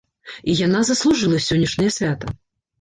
І яна заслужыла сённяшняе свята.